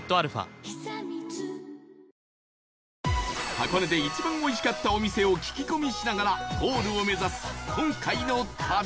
箱根で一番おいしかったお店を聞き込みしながらゴールを目指す、今回の旅